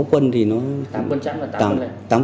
tám quân chẵn là tám quân này